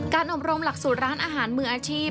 อบรมหลักสูตรร้านอาหารมืออาชีพ